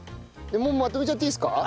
もうまとめちゃっていいですか？